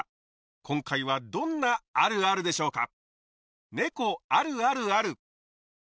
今回はどんなあるあるでしょうか？